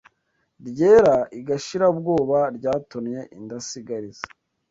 Ryera i Gashirabwoba Ryatonnye indasigariza